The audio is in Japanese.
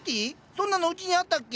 そんなのうちにあったっけ？